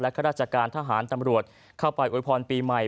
ข้าราชการทหารตำรวจเข้าไปอวยพรปีใหม่